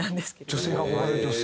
女性が憧れる女性？